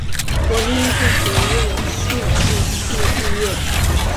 国立艺术学院戏剧系毕业。